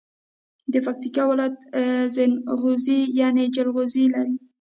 د پکیتکا ولایت زنغوزي یعنی جلغوزي لري.